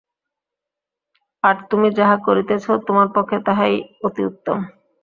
আর তুমি যাহা করিতেছ, তোমার পক্ষে তাহাই অতি ইত্তম।